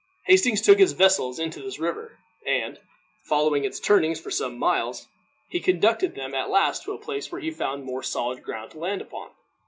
Hastings took his vessels into this river, and, following its turnings for some miles, he conducted them at last to a place where he found more solid ground to land upon.